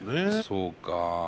そうか。